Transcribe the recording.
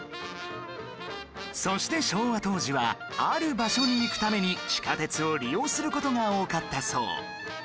そして昭和当時はある場所に行くために地下鉄を利用する事が多かったそう